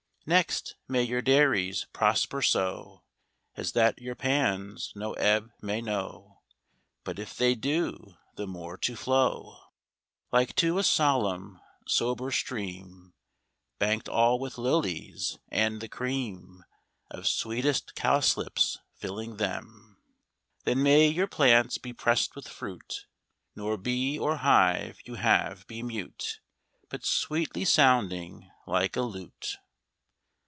Next, may your dairies prosper so, As that your pans no ebb may know; But if they do, the more to flow, Like to a solemn sober stream, Bank'd all with lilies, and the cream Of sweetest cowslips filling them. Then may your plants be press'd with fruit, Nor bee or hive you have be mute, But sweetly sounding like a lute.